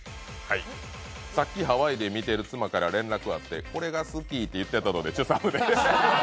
さっきハワイで見ている妻から連絡があってこれが好きって言ってたのでチュサムで。